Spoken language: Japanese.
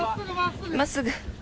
真っすぐ。